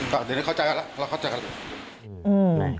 ก็เดี๋ยวนี้เข้าใจกันแล้วเราเข้าใจกัน